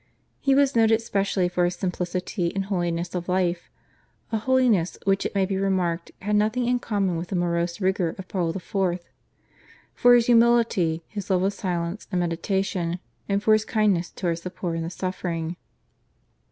He was noted specially for his simplicity and holiness of life, a holiness which it may be remarked had nothing in common with the morose rigour of Paul IV., for his humility, his love of silence and meditation, and for his kindness towards the poor and the suffering.